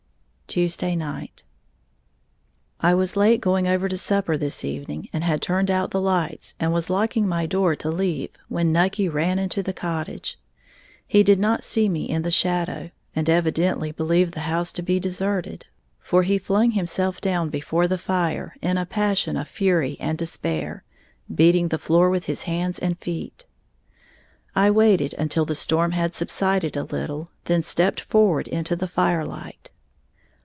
Tuesday Night. I was late going over to supper this evening, and had turned out the lights and was locking my door to leave when Nucky ran into the cottage. He did not see me in the shadow, and evidently believed the house to be deserted, for he flung himself down before the fire in a passion of fury and despair, beating the floor with hands and feet. I waited until the storm had subsided a little, then stepped forward into the firelight.